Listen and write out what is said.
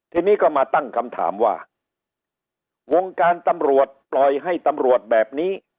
ทีนี้ก็มาตั้งคำถามว่าวงการตำรวจปล่อยให้ตำรวจแบบนี้